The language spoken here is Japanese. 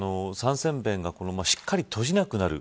三尖弁がしっかり閉じなくなる。